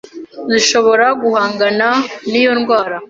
zishobora guhangana n'iyo ndwara,